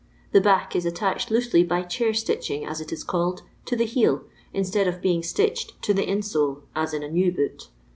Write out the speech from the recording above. the back is attached loosely by chair stitching, as it is called, to the heel, instead of being stitched to the in sole, as in a new boot.